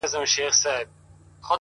دا موسیقي نه ده جانانه، دا سرگم نه دی،